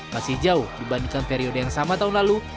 masih jauh dibandingkan periode yang sama tahun lalu